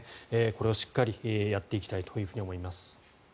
これをしっかりやっていきたいと思います。